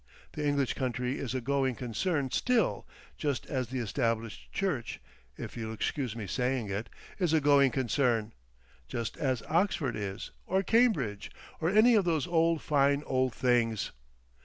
The English country is a going concern still; just as the Established Church—if you'll excuse me saying it, is a going concern. Just as Oxford is—or Cambridge. Or any of those old, fine old things.